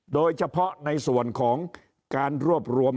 โดยเฉพาะในส่วนของการรวบรวม